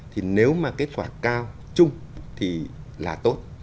thì nếu mà kết quả cao chung thì là tốt